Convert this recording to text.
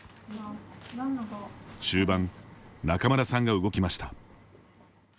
中盤仲邑さんが動きました。